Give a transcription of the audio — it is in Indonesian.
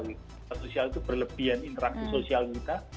media sosial itu berlebihan interaksi sosial kita